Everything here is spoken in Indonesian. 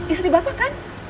istri bapak kan